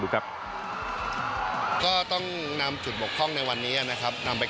ครับก็ต้องนำจุดบกพร่องในวันนี้นะครับนำไป